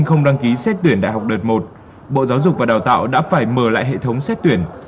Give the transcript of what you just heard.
không đăng ký xét tuyển đại học đợt một bộ giáo dục và đào tạo đã phải mở lại hệ thống xét tuyển